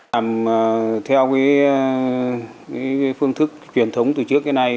làm theo phương thức truyền thống từ trước đến nay